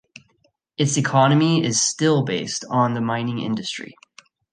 Its economy is still based on the mining industry.